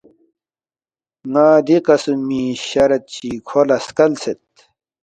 ن٘ا دی قسمی شرط چی کھو لہ سکلسید